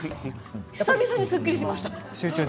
久々にすっきりしました。